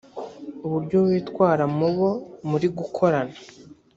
uburyo witwara mubo muri gukorana